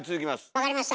分かりました。